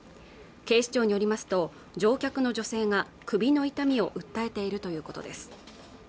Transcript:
警視庁によりますと乗客の女性が首の痛みを訴えているということです